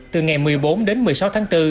từ ngày một mươi bốn đến một mươi sáu tháng bốn